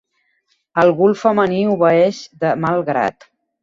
El gul femení obeeix de mal grat.